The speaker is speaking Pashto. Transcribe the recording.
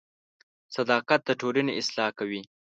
• صداقت د ټولنې اصلاح کوي.